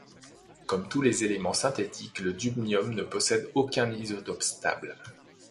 Comme tous les éléments synthétiques, le dubnium ne possède aucun isotope stable.